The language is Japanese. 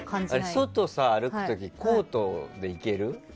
外を歩く時、コートで行ける？